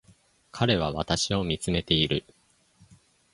彼は私を見つめている